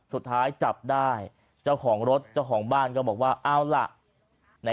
สุดท้ายจับได้เจ้าของรถเจ้าของบ้านก็บอกว่าเอาล่ะใน